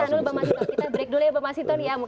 pak mas hinton ya mungkin kita bisa tarik nafas dulu